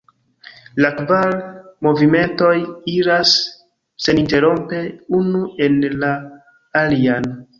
La kvar movimentoj iras seninterrompe unu en la alian.